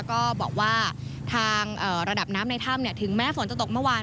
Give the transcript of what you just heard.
ก็บอกว่าทางระดับน้ำในถ้ำถึงแม้ฝนจะตกเมื่อวาน